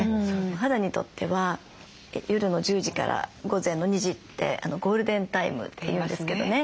お肌にとっては夜の１０時から午前の２時ってゴールデンタイムって言うんですけどね。